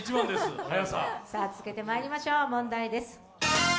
続けてまいりましょう問題です。